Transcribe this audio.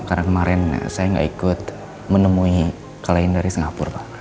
karena kemarin saya nggak ikut menemui klien dari singapura